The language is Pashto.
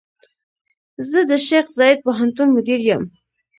زۀ د شيخ زايد پوهنتون مدير يم.